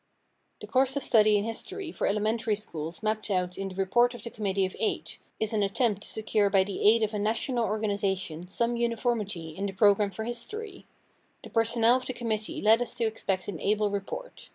The course of study in history for elementary schools mapped out in the "Report of the Committee of Eight" is an attempt to secure by the aid of a national organization some uniformity in the program for history. The personnel of the committee led us to expect an able report.